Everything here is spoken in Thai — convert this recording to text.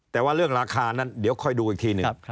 แต่ว่าเรื่องราคานั้นเดี๋ยวค่อยดูอีกทีหนึ่ง